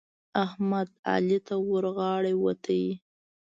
احمد؛ علي ته ورغاړه وت.